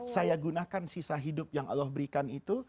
saya gunakan sisa hidup yang allah berikan itu